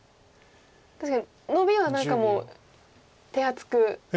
確かにノビは何かもう手厚く。